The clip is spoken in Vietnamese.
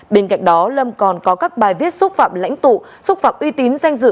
bên cạnh đó lâm còn có các bài viết xúc phạm lãnh tụ xúc phạm uy tín danh dự